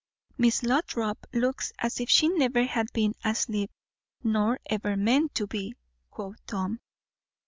"Miss Lothrop looks as if she never had been asleep, nor ever meant to be," quoth Tom.